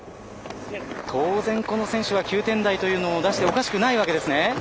当然この選手は９点台というのを出しておかしくないわけですね。